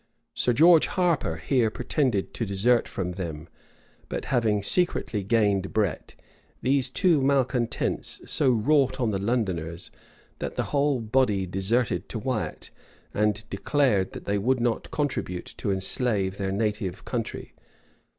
Sir George Harper here pretended to desert from them; but having secretly gained Bret, these two malecontents so wrought on the Londoners, that the whole body deserted to Wiat, and declared that they would not contribute to enslave their native country.